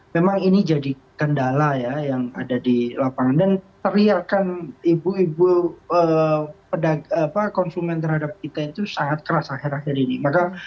memang ini jadi kendala ya yang ada di lapangan dan teriakan ibu ibu konsumen terhadap kita itu sangat keras akhir akhir ini